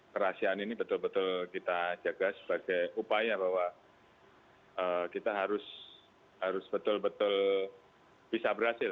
kerahasiaan ini betul betul kita jaga sebagai upaya bahwa kita harus betul betul bisa berhasil